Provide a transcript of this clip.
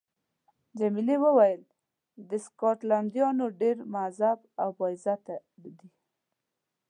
جميلې وويل: سکاټلنډیان ډېر مهذب او با عزته دي.